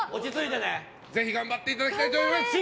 ぜひ頑張っていただきたいと思います。